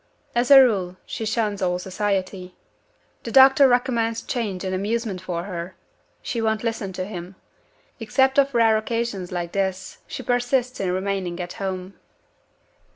As a rule, she shuns all society. The doctor recommends change and amusement for her. She won't listen to him. Except on rare occasions like this, she persists in remaining at home."